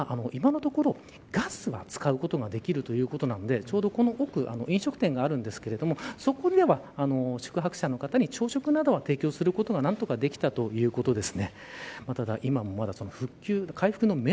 ただ今のところ、ガスは使うことができるということなのでちょうどこの奥に飲食店があるんですがそこでは宿泊者の方に朝食などは提供することが何とかできたということです。